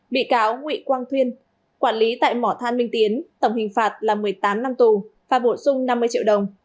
bị cáo nguy quang thuyên quản lý tại mỏ than minh tiến tổng hình phạt là một mươi tám năm tù phạt bổ sung năm mươi triệu đồng